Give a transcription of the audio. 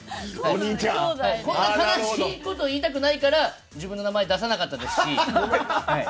そんな悲しいことを言いたくないから自分の名前を出さなかったですし。